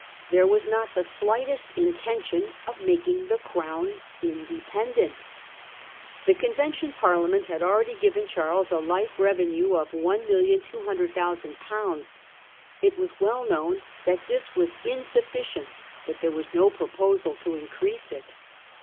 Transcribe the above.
There was not the slightest intention of making the Crown independent. The Convention Parliament had already given Charles a life revenue of 1,200,000/. It was well known that this was insufficient, but there was no proposal to increase it.